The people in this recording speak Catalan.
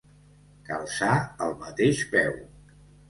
Calçar el mateix peu.